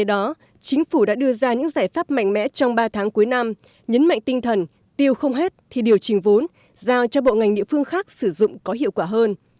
do đó chính phủ đã đưa ra những giải pháp mạnh mẽ trong ba tháng cuối năm nhấn mạnh tinh thần tiêu không hết thì điều chỉnh vốn giao cho bộ ngành địa phương khác sử dụng có hiệu quả hơn